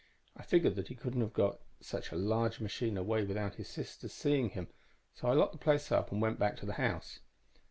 I figured that he couldn't have got such a large machine away without his sister's seeing him; so I locked the place up and went back to the house.